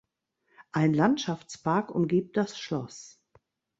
Ein Landschaftspark umgibt das Schloss.